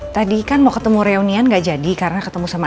tadi kan mau ketemu reunian gak jadi karena ketemu sama